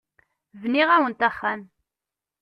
Bniɣ-awent axxam.